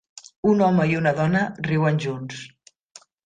un home i una dona riuen junts